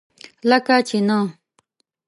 لکه چینۀ!